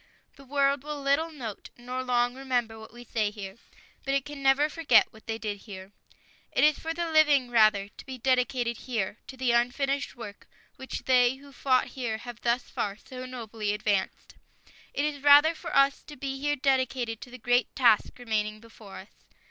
The world will little note, nor long remember, what we say here, but it can never forget what they did here. It is for us the living, rather, to be dedicated here to the unfinished work which they who fought here have thus far so nobly advanced. It is rather for us to be here dedicated to the great task remaining before us.